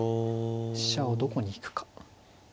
飛車をどこに引くか。